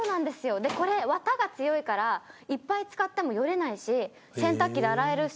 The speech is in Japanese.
でこれ綿が強いからいっぱい使ってもよれないし洗濯機で洗えるし。